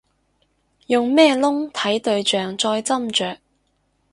用咩窿睇對象再斟酌